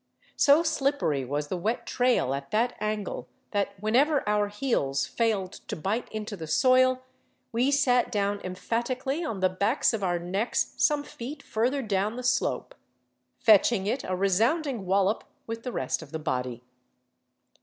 So slippery was the wet trail at that angle that whenever our heels failed to bite into the soil we sat down emphatically on the backs of our necks some feet further down the slope, fetching it a resounding wallop with the rest of the body.